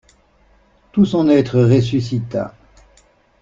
Tout son être ressuscita.